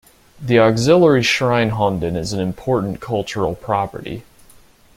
The auxiliary shrine honden is an Important Cultural Property.